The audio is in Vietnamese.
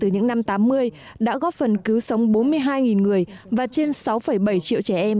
hai người và trên sáu bảy triệu trẻ em